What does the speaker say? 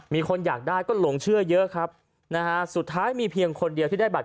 มีคนอยากได้ก็หลงเชื่อเยอะครับนะฮะสุดท้ายมีเพียงคนเดียวที่ได้บัต